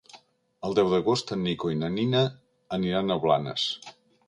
El deu d'agost en Nico i na Nina aniran a Blanes.